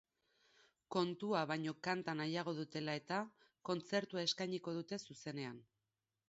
Kontua baino kanta nahiago dutela-eta, kontzertua eskainiko dute zuzenean.